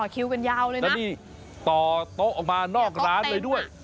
คิวกันยาวเลยนะแล้วนี่ต่อโต๊ะออกมานอกร้านเลยด้วย